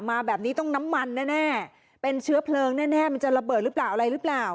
มาแบบนี้ต้องน้ำมันแน่เป็นเชื้อเพลิงแน่มันจะระเบิดหรือเปล่าอะไรหรือเปล่า